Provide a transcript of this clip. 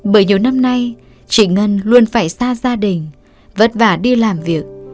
bởi nhiều năm nay chị ngân luôn phải xa gia đình vất vả đi làm việc